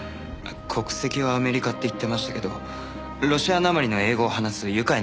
国籍はアメリカって言ってましたけどロシアなまりの英語を話す愉快なおじさんで。